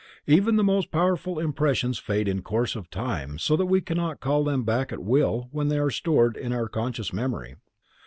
Even the most powerful impressions fade in course of time so that we cannot call them back at will when they are stored in our conscious memory.